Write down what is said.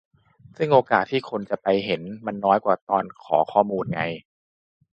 ซึ่งโอกาสที่คนจะไปเห็นมันน้อยกว่าตอนขอข้อมูลไง